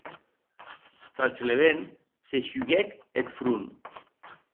Fauchelevent se shuguèc eth front.